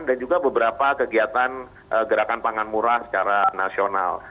dan juga beberapa kegiatan gerakan pangan murah secara nasional